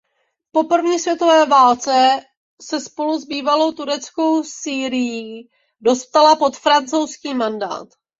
Po první světové válce se spolu s bývalou tureckou Sýrií dostala pod francouzský mandát.